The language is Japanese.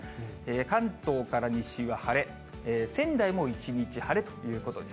関東から西は晴れ、仙台も一日晴れということです。